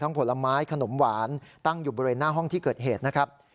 ผลไม้ขนมหวานตั้งอยู่บริเวณหน้าห้องที่เกิดเหตุนะครับ